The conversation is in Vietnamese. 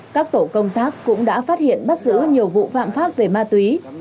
các tổ công tác cũng đã phát hiện bắt giữ nhiều vụ phạm pháp về ma túy